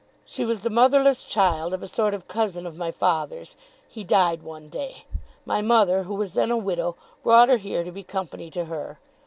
She was the motherless child of a sort of cousin of my father's. He died one day. My mother, who was then a widow, brought her here to be company to her.